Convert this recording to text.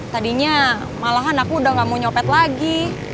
tadinya malahan aku udah gak mau nyopet lagi